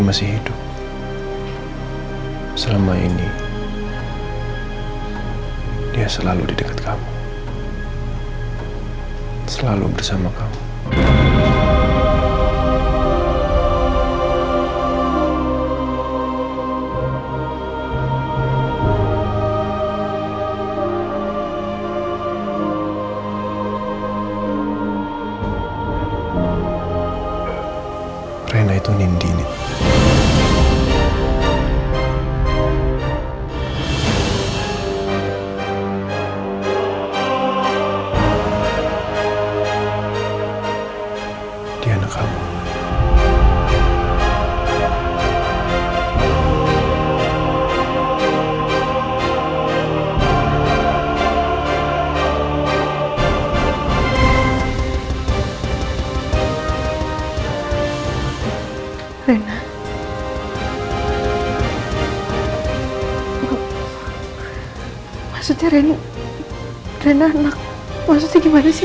karena unbelievably akses bahkan k congratulate do reza